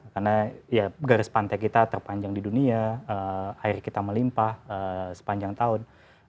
karena ya garis pantai kita terpanjang di dunia air kita melimpah sepanjang tahun